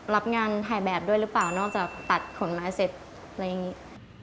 รับงานถ่ายแบบด้วยหรือเปล่านอกจากตัดขนไม้เสร็จอะไรอย่างนี้